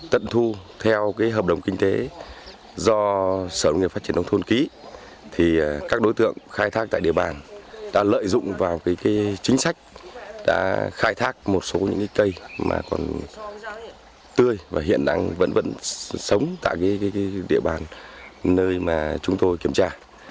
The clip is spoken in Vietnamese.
tận thu theo hợp đồng kinh tế do sở nghệ phát triển đồng thôn ký các đối tượng khai thác tại địa bàn đã lợi dụng vào chính sách khai thác một số cây tươi và hiện đang vẫn sống tại địa bàn nơi chúng tôi kiểm tra